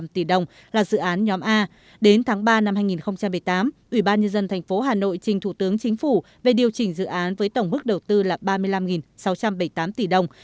chín năm trăm năm mươi năm tỷ đồng là dự án nhóm a đến tháng ba năm hai nghìn một mươi tám ủy ban nhân dân thành phố hà nội trình thủ tướng chính phủ về điều chỉnh dự án với tổng mức đầu tư là ba mươi năm sáu trăm bảy mươi tám tỷ đồng